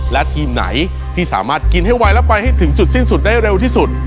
และทีมไหนที่สามารถกินให้ไวและไปให้ถึงจุดสิ้นสุดได้เร็วที่สุด